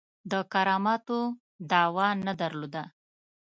د کراماتو دعوه نه درلوده.